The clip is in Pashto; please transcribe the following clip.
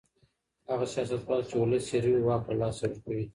هغه سياستوال چي ولس هېروي واک له لاسه ورکوي.